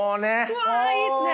うわいいっすね！